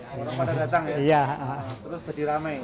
orang pada datang ya terus jadi ramai